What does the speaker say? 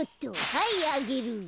はいあげる。